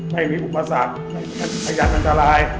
ไม่มีอุปสรรคชัยงันจัลลาย